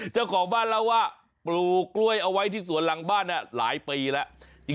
เจ้าของบ้านเล่าว่าปลูกกล้วยเอาไว้ที่สวนหลังบ้านหลายปีแล้ว